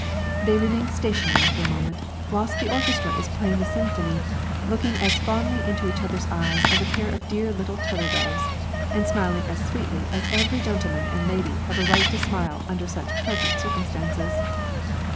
They remain stationary for a moment, whilst the orchestra is playing the symphony, looking as fondly into each other's eyes as a pair of dear little turtle doves, and smiling as sweetly as every gentleman and lady have a right to smile under such pleasant circumstances.